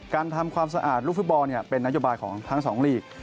ทำความสะอาดลูกฟุตบอลเป็นนโยบายของทั้งสองลีก